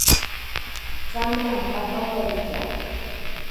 Tsame apatojeitya.